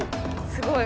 すごい！